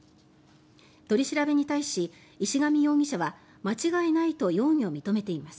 取り調べに対し、石上容疑者は間違いないと容疑を認めています。